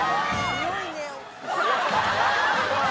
強いね。